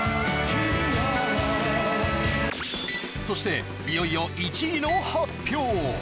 そしていよいよ１位の発表